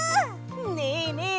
ねえねえ